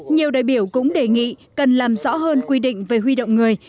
nhiều đại biểu cũng đề nghị cần làm rõ hơn quy định về huy động người